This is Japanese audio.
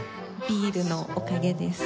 ビールのおかげです。